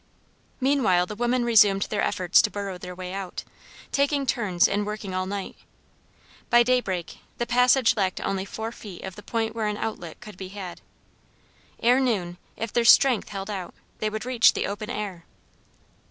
Meanwhile the women resumed their efforts to burrow their way out, taking turns in working all night. By daybreak the passage lacked only four feet of the point where an outlet could be had. Ere noon, if their strength held out, they would reach the open air.